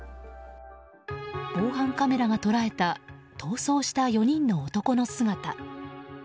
防犯カメラが捉えた逃走した４人の男の姿。